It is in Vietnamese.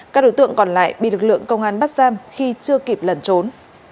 các đối tượng còn lại bị lực lượng công an bắt giam khi chưa kịp lẩn trốn